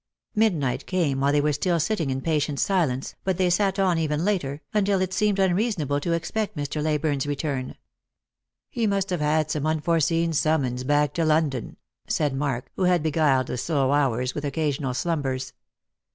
Midnight came while they were still sitting in patient silence, but they sat on even later, until it seemed unreasonable to ex pect Mr. Leyburne's return. "He must have had some unforeseen summons back to London," said Mark, who had beguiled the slow hours witb occasional slumbers.